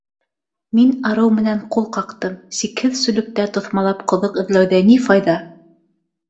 Мин арыу менән ҡул ҡаҡтым: сикһеҙ сүллектә тоҫмалап ҡоҙоҡ эҙләүҙә ни файҙа?